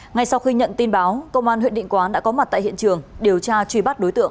ngay sau khi nhận tin báo công an huyện định quán đã có mặt tại hiện trường điều tra truy bắt đối tượng